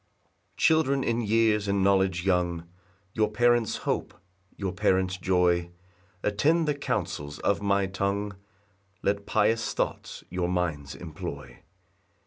1 Children in years and knowledge young, Your parents' hope, your parents' joy, Attend the counsels of my tongue, Let pious thoughts your minds employ.